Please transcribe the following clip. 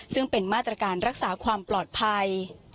ซึ่งเป็นมาตรการรักษาความปลอดภัย